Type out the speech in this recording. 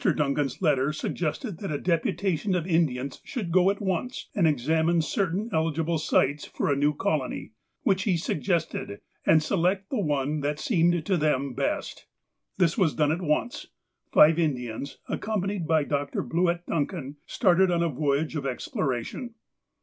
Duncan's letter suggested that a dejiutation of In dians should go at once and examine certain eligible sites for a new colony, which he suggested, and select the one that seemed to them best. This was done at once. Five Indians, accompanied by Dr. Bluett Duncan, started on a voyage of exploration.